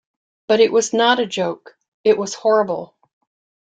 But it was not a joke - it was horrible.